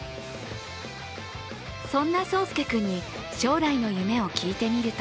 そんな颯亮君に将来の夢を聞いてみると